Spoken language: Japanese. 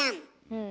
うん。